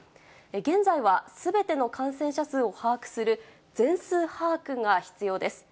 現在は、すべての感染者数を把握する全数把握が必要です。